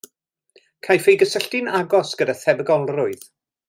Caiff ei gysylltu'n agos gyda thebygolrwydd.